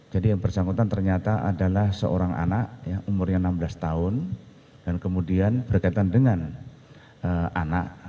jadi yang bersangkutan ternyata adalah seorang anak yang umurnya enam belas tahun dan kemudian berkaitan dengan anak